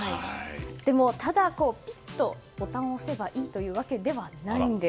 でも、ただピッとボタンを押せばいいというものではないんです。